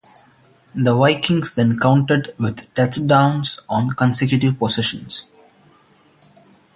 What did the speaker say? The Vikings then countered with touchdowns on consecutive possessions.